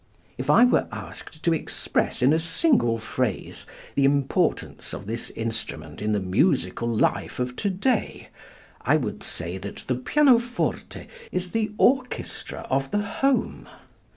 If I were asked to express in a single phrase the importance of this instrument in the musical life of to day I would say that the pianoforte is the orchestra of the home.